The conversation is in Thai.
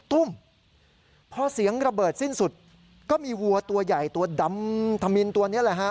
ตุ้มพอเสียงระเบิดสิ้นสุดก็มีวัวตัวใหญ่ตัวดำธมินตัวนี้แหละฮะ